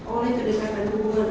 oleh kedekatan hubungan